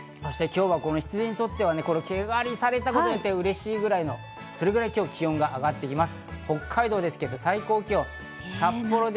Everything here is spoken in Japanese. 今日は羊にとっては毛刈りされたことによってうれしいぐらいのそれぐらい気温が上がっています。